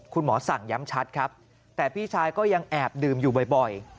คุณหมอสั่งย้ำชัดครับแต่พี่ชายก็ยังแอบดื่มอยู่บ่อย